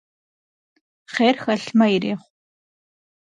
Хъер хэлъмэ, ирехъу.